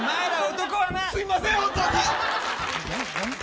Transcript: すいません、本当に。